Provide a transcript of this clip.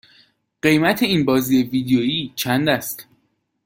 قیمت این بازی ویدیویی چند است؟